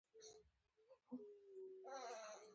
داسې ورځ به نه وي چې د ميرانشاه په بازار کښې مړي ونه سي.